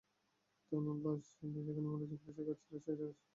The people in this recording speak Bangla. তনুর লাশ যেখানে মিলেছে, পুলিশের কাজ ছিল সেই জায়গাটা সংরক্ষণ করা।